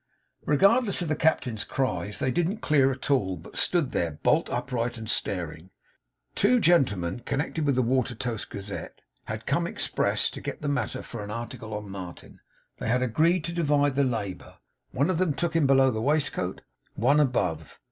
Regardless of the Captain's cries, they didn't clear at all, but stood there, bolt upright and staring. Two gentlemen connected with the Watertoast Gazette had come express to get the matter for an article on Martin. They had agreed to divide the labour. One of them took him below the waistcoat. One above.